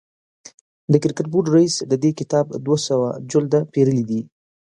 د کرکټ بورډ رئیس د دې کتاب دوه سوه جلده پېرلي دي.